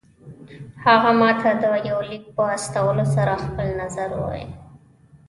هغه ماته د يوه ليک په استولو سره خپل نظر ووايه.